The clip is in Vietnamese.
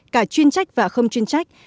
cả chuyên trách và không chuyên trách